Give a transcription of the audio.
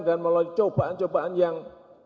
dan melalui cobaan cobaan yang